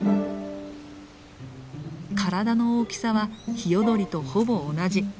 体の大きさはヒヨドリとほぼ同じ。